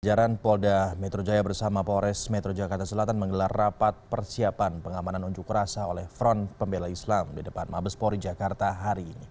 jajaran polda metro jaya bersama polres metro jakarta selatan menggelar rapat persiapan pengamanan unjuk rasa oleh front pembela islam di depan mabespori jakarta hari ini